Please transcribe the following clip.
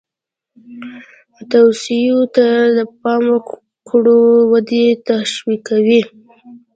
توصیو ته پام وکړو ودې تشویقوي.